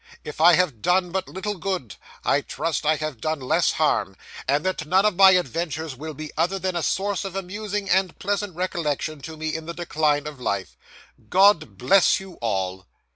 If I have done but little good, I trust I have done less harm, and that none of my adventures will be other than a source of amusing and pleasant recollection to me in the decline of life. God bless you all!